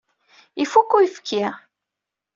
Ifuk uyefki.